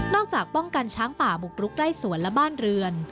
จากป้องกันช้างป่าบุกรุกไร่สวนและบ้านเรือน